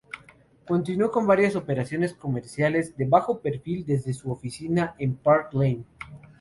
Continuó con varias operaciones comerciales de bajo perfil desde su oficina en Park Lane.